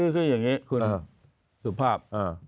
คืออย่างนี้คุณสุภาพ